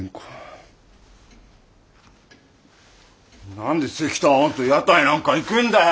何で石炭王と屋台なんか行くんだよ！？